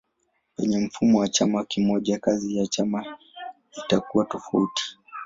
Penye mfumo wa chama kimoja kazi ya chama itakuwa tofauti.